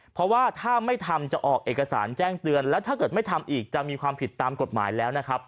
เพราะว่าถ้าไม่ทำจะออกเอกสารแจ้งเตือนแล้วถ้าเกิดไม่ทำอีกจะมีความผิดตามกฎหมายแล้วนะครับ